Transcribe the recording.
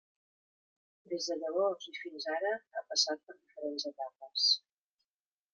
Des de llavors i fins ara ha passat per diferents etapes.